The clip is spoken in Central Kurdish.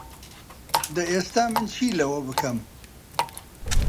دە ئێستا من چی لەوە بکەم؟